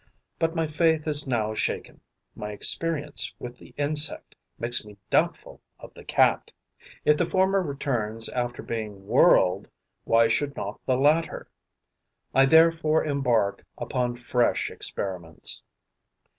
But my faith is now shaken: my experience with the insect makes me doubtful of the Cat. If the former returns after being whirled, why should not the latter? I therefore embark upon fresh experiments.